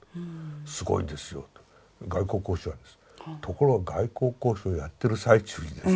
ところが外交交渉やってる最中にですね